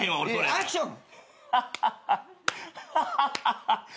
アクション！